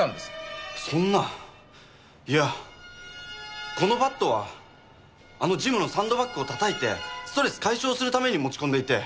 そんないやこのバットはあのジムのサンドバッグを叩いてストレス解消するために持ち込んでいて。